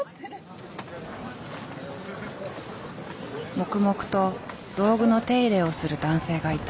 黙々と道具の手入れをする男性がいた。